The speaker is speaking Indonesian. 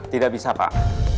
tidak bisa pak